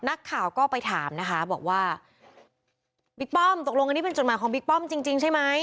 นักข่าวก็ไปถามนะคะบอกว่าบิ๊กป้อมตกลงอันนี้เป็นจดหมายของบิ๊กป้อมจริงจริงใช่ไหม